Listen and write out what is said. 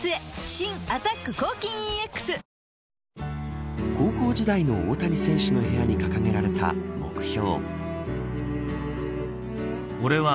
新「アタック抗菌ＥＸ」高校時代の大谷選手の部屋に掲げられた目標。